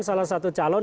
salah satu calon